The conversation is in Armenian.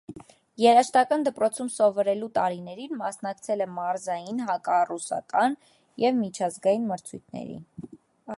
Երաժշտական դպրոցում սովորելու տարիներին մասնակցել է մարզային, համառուսական և միջազգային մրցույթների։